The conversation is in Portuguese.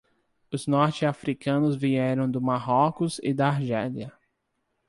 Os norte-africanos vieram do Marrocos e da Argélia.